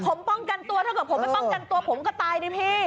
ผมป้องกันตัวถ้าเกิดผมไม่ป้องกันตัวผมก็ตายดิพี่